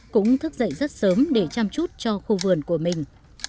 cũng thức dậy rất sớm để chăm chút cho khu vườn của mình